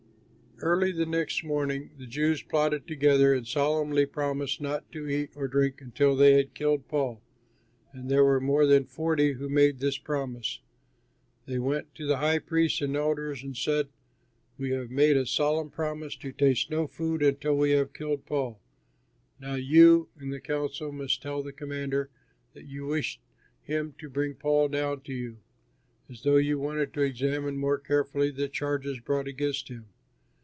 Early the next morning the Jews plotted together and solemnly promised not to eat or drink until they had killed Paul, and there were more than forty who made this promise. They went to the high priests and elders and said, "We have made a solemn promise to taste no food until we have killed Paul. Now you and the council must tell the commander that you wish him to bring Paul down to you, as though you wanted to examine more carefully the charges brought against him.